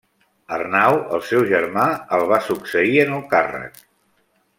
Arnau, el seu germà, el va succeir en el càrrec.